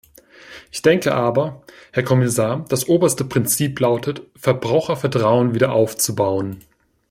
Ich denke aber, Herr Kommissar, das oberste Prinzip lautet, Verbrauchervertrauen wieder aufzubauen.